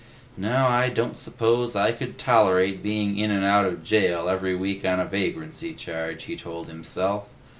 "No, I don't suppose I could tolerate being in and out of jail every week on a vagrancy charge," he told himself.